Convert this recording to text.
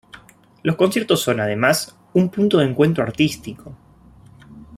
Los conciertos son, además, un punto de encuentro artístico.